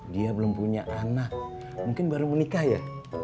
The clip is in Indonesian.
dia belum punya anak mungkin baru menikah ya